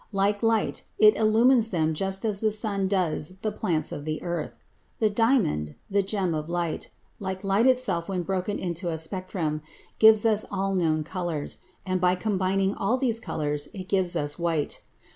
Like light, it illumines them just as the sun does the plants of the earth. The diamond, the gem of light, like light itself when broken into a spectrum, gives us all known colors, and by combining all these colors it gives us white.